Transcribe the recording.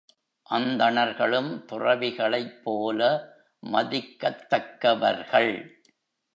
அந்தணர்களும் துறவிகளைப் போல மதிக்கத்தக்கவர்கள்.